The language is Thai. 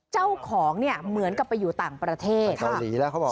เจ้าของเนี่ยเหมือนกับไปอยู่ต่างประเทศเกาหลีแล้วเขาบอก